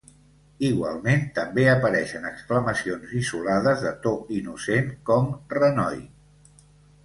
Igualment, també apareixien exclamacions isolades de to innocent, com "renoi!".